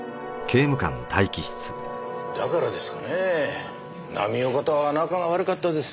だからですかねぇ浪岡とは仲が悪かったです。